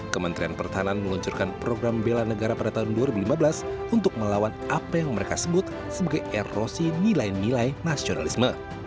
kementerian pertahanan meluncurkan program bela negara pada tahun dua ribu lima belas untuk melawan apa yang mereka sebut sebagai erosi nilai nilai nasionalisme